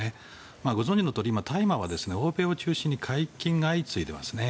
ご存じのとおり今、大麻は欧米を中心に解禁が相次いでいますね。